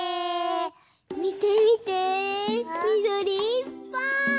みてみてみどりいっぱい！